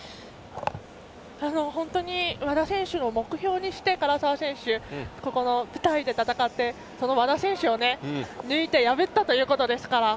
本当に和田選手を目標にして唐澤選手、ここの舞台で戦ってその和田選手を抜いて破ったということですから。